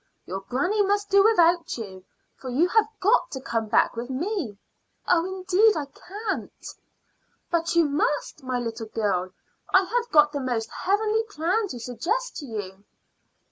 "Your granny must do without you, for you have got to come back with me." "Oh, indeed, I can't!" "But you must, my little girl. I have got the most heavenly plan to suggest to you."